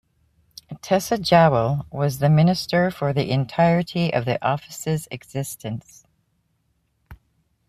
Tessa Jowell was the Minister for the entirety of the office's existence.